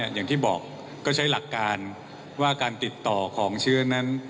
อย่างที่บอกก็ใช้หลักการว่าการติดต่อของเชื้อนั้น